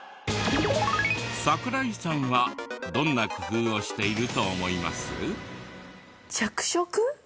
桜井さんはどんな工夫をしていると思います？